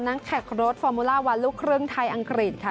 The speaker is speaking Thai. นักแขกรถฟอร์มูลาวันลูกครึ่งไทยอังกฤษค่ะ